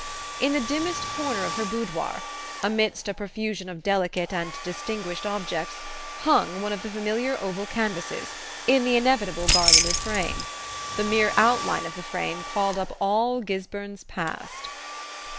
In the dimmest corner of her boudoir, amid a profusion of delicate and distinguished objects, hung one of the familiar oval canvases, in the inevitable garlanded frame. The mere outline of the frame called up all Gisburn's past!